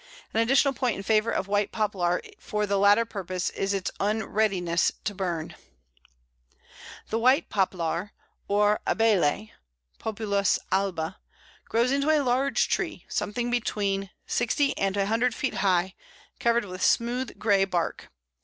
An additional point in favour of White Poplar for the latter purpose is its unreadiness to burn. [Illustration: White Poplar, or Abele. A, female catkin.] The White Poplar, or Abele (Populus alba), grows into a large tree, something between sixty and a hundred feet high, covered with smooth grey bark.